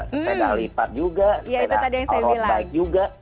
sepeda lipat juga sepeda road bike juga